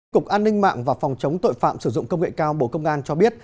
cục an ninh mạng và phòng chống tội phạm sử dụng công nghệ cao bộ công an cho biết